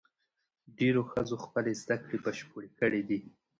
ډېرو ښځو خپلې زدهکړې بشپړې کړې دي.